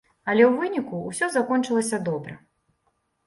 Але ў выніку ўсё закончылася добра.